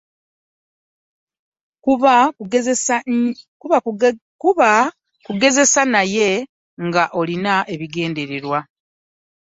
Kuba kugezesa naye ng'olina ebigendererwa.